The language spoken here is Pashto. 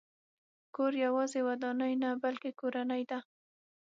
کور یوازې ودانۍ نه، بلکې کورنۍ ده.